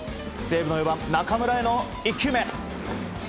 西武の４番、中村への１球目。